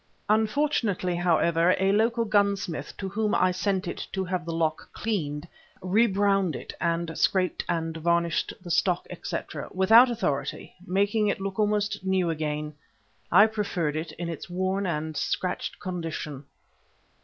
Unfortunately, however, a local gunsmith to whom I sent it to have the lock cleaned, re browned it and scraped and varnished the stock, etc., without authority, making it look almost new again. I preferred it in its worn and scratched condition.